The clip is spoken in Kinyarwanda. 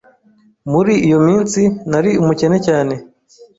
Muri iyo minsi nari umukene cyane.